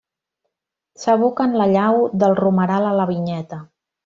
S'aboca en la llau del Romeral a la Vinyeta.